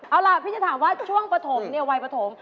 เอาล่ะพี่จะถามว่าช่วงปฐมเนี่ยวัยปฐม